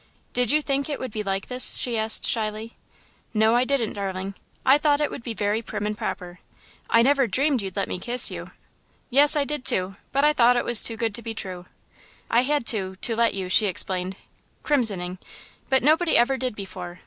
"Did you think it would be like this?" she asked, shyly. "No, I didn't, darling. I thought it would be very prim and proper. I never dreamed you'd let me kiss you yes, I did, too, but I thought it was too good to be true." "I had to to let you," she explained, crimsoning, "but nobody ever did before.